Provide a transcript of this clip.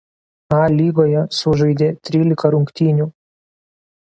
A lygoje sužaidė trylika rungtynių.